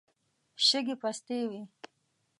شګې پستې وې.